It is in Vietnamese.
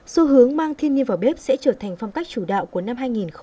xu hướng mang thiên nhiên vào bếp sẽ trở thành phong cách chủ đạo của năm hai nghìn một mươi chín